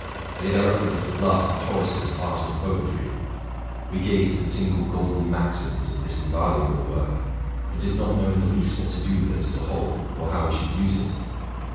They directed us at last to Horace's '+ Art of Poetry:'' we gazed at single golden maxims of this in valuable work, but did not know in the least what to do with it as a whole, or how we should use it.